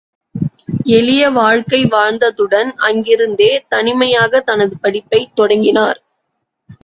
எளிய வாழ்க்கை வாழ்ந்ததுடன், அங்கிருந்தே தனிமையாக தனது படிப்பைத் தொடங்கினார்!